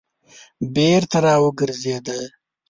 بېرته راوګرځېده.